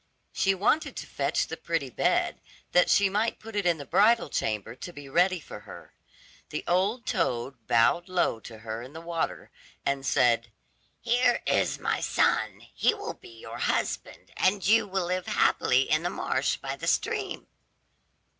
She wanted to fetch the pretty bed, that she might put it in the bridal chamber to be ready for her. The old toad bowed low to her in the water, and said, "Here is my son, he will be your husband, and you will live happily in the marsh by the stream."